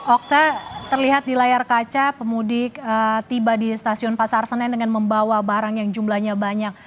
okta terlihat di layar kaca pemudik tiba di stasiun pasar senen dengan membawa barang yang jumlahnya banyak